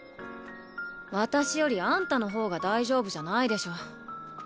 私よりあんたの方が大丈夫じゃないでしょ。